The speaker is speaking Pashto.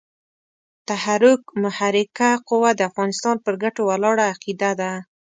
تحرک محرکه قوه د افغانستان پر ګټو ولاړه عقیده ده.